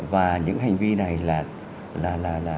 và những hành vi này là